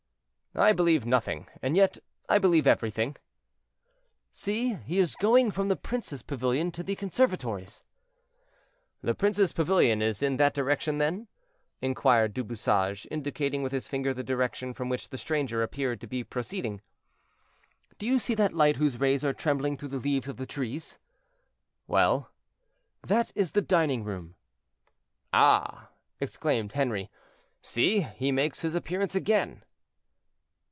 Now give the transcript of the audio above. "I believe nothing, and yet I believe everything." "See, he is going from the prince's pavilion to the conservatories." "The prince's pavilion is in that direction, then?" inquired Du Bouchage, indicating with his finger the direction from which the stranger appeared to be proceeding. "Do you see that light whose rays are trembling through the leaves of the trees."—"Well?" "That is the dining room." "Ah!" exclaimed Henri, "see, he makes his appearance again."